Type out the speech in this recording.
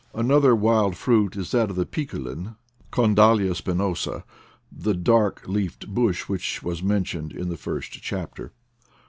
Another wild fruit is that of the PiqueUin (Condalia spi nosa), the dark leafed bush which was mentioned in the first chapter.